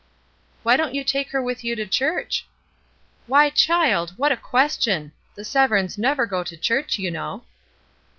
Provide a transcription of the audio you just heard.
" Why don't you take her with you to church ?" "Why, child, what a question ! The Severns never go to church, you know."